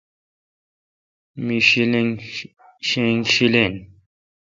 می شینگ شیلین۔